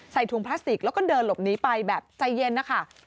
ถุงพลาสติกแล้วก็เดินหลบหนีไปแบบใจเย็นนะคะ